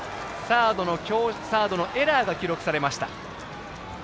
サードのエラーが記録されました。